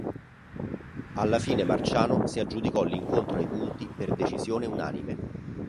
Alla fine Marciano si aggiudicò l'incontro ai punti per decisione unanime.